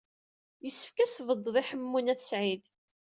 Yessefk ad as-tbedded i Ḥemmu n At Sɛid.